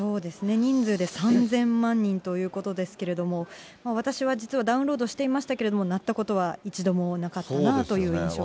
人数で３０００万人ということですけれども、私は実はダウンロードしていましたけれども、鳴ったことは一度もなかったなぁという印象ですね。